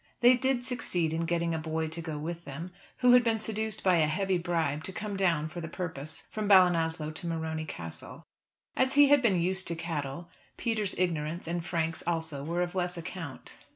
They did succeed in getting a boy to go with them, who had been seduced by a heavy bribe to come down for the purpose from Ballinasloe to Morony Castle. As he had been used to cattle, Peter's ignorance and Frank's also were of less account.